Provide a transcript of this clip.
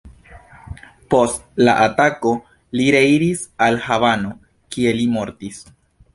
Post la atako, li reiris al Havano, kie li mortis.